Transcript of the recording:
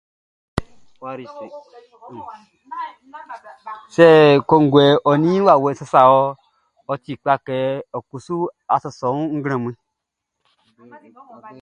Sɛ kɔnguɛʼn ɔ ninʼn i wawɛʼn sasa wɔʼn, ɔ ti ɔ liɛ kɛ a sasa ɔ wun nglɛmun nunʼn.